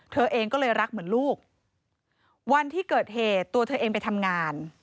เธอเองก็เลยรักเหมือนลูกวันที่เกิดเหตุตัวเธอเองไปทำงาน